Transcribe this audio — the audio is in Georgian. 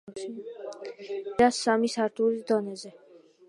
ძეგლი შემორჩენილია სამი სართულის დონეზე.